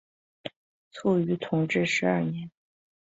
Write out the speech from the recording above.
卒于同治十二年。